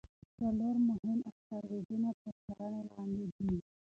څلور مهم اسټروېډونه تر څارنې لاندې دي.